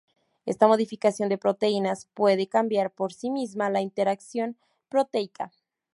Esta modificación de proteínas puede cambiar por sí misma la interacción proteica.